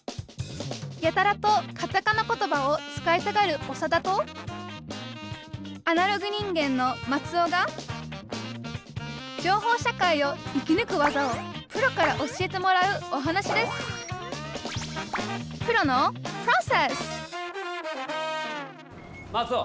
やたらとカタカナ言葉を使いたがるオサダとアナログ人間のマツオが情報社会を生きぬく技をプロから教えてもらうお話ですマツオ！